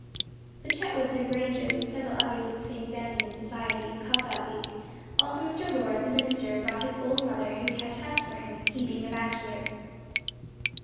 The Chetwoods and Granges, and several others of the same standing in society, called that week; also Mr. Lord, the minister, brought his old mother who kept house for him, he being a bachelor.